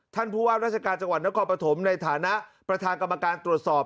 ท่านผู้ว่าราชการจังหวัดนครปฐมในฐานะประธานกรรมการตรวจสอบ